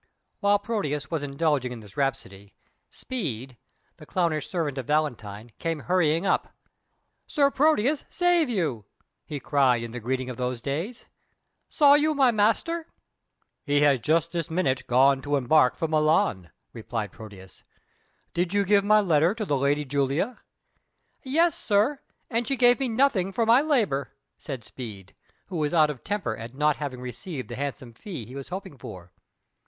While Proteus was indulging in this rhapsody, Speed, the clownish servant of Valentine, came hurrying up. "Sir Proteus, save you!" he cried, in the greeting of those days. "Saw you my master?" "He has just this minute gone to embark for Milan," replied Proteus. "Did you give my letter to the Lady Julia?" "Ay, sir, and she gave me nothing for my labour," said Speed, who was out of temper at not having received the handsome fee he was hoping for.